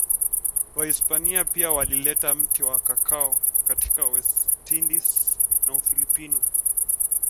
Spaniards also introduced the cacao tree into the West Indies and the Philippines.